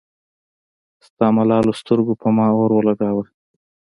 ستا ملالو سترګو پۀ ما اور اولګوو